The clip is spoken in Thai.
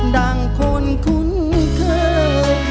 ดังคนคุ้นเคย